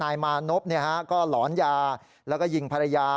นายมานพก็หลอนยาแล้วก็ยิงภรรยา